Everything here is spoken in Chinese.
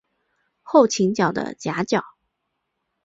后倾角的夹角。